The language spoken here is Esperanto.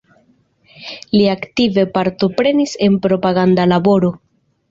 Li aktive partoprenis en propaganda laboro.